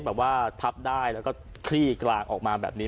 ตัวคนพับได้และฉี่กระจายออกมาก็แบบนี้